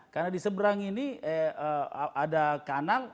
karena di seberang ini ada kanal